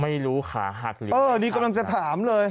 ไม่รู้ขาหักหรือเออนี่กำลังจะถามเลย